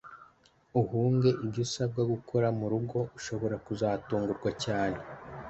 uhunge ibyo usabwa gukora mu rugo ushobora kuzatungurwa cyane